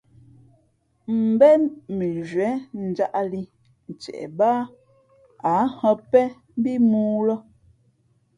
̀mbén mʉnzhwē njāʼlī ntie bāā ǎ hᾱ pēn mbí mōō lά.